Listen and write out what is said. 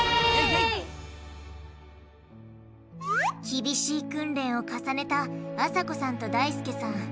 厳しい訓練を重ねたあさこさんとだいすけさん。